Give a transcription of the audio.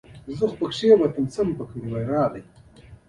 محمود په هر مجلس کې پردي مړي بښي.